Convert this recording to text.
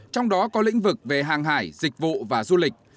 trong đó có lĩnh vực về hàng hải dịch vụ và du lịch